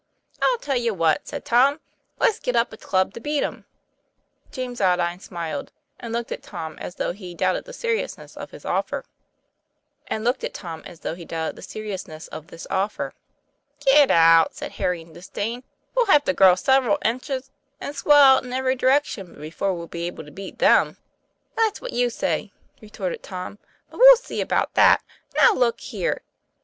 "I'll tell you what," said Tom, "let's get up a club to beat 'em." James Aldine smiled, " and looked at Tom as though he doubted the seriousness of this offer. "Get out!" said Harry in disdain. "We'll have to grow several inches, and swell out in every direc tion, before we'll be able to beat them." 'That's what you say," retorted Tom. "But we'll see about that. Now, look here!